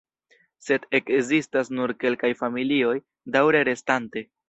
Sed ekzistas nur kelkaj familioj daŭre restante.